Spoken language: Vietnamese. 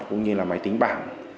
cũng như là máy tính bảng